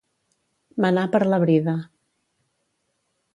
Menar per la brida.